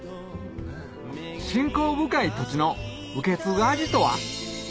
信仰深い土地の受け継ぐ味とは？